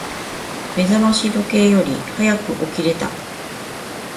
目覚まし時計より早く起きれた。